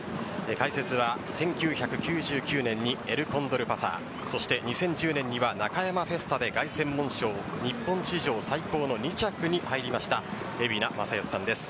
解説は１９９９年にエルコンドルパサー２０１０年にはナカヤマフェスタで凱旋門賞日本史上最高の２着に入りました蛯名正義さんです。